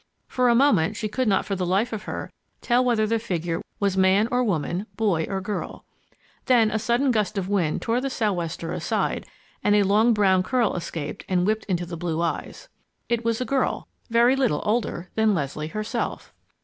For a moment she could not for the life of her tell whether the figure was man or woman, boy or girl. Then a sudden gust of wind tore the sou'wester aside and a long brown curl escaped and whipped into the blue eyes. It was a girl very little older than Leslie herself.